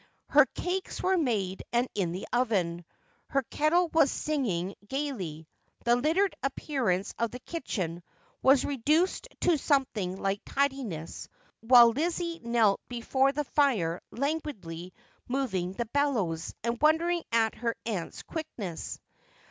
Her cakes were made and in the oven, her kettle was singing gaily, the littered appearance of the kitchen was reduced to something like tidiness, while Lizzie knelt before the fire languidly moving the bellows, and wondering at her aunt's quickness.